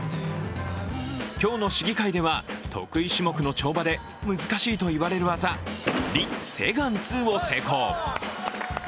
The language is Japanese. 今日の試技会では得意種目の跳馬で難しいと言われる技リ・セグァン２を成功。